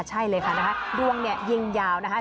ใช่เลยค่ะดวงเย็งยาวนะคะ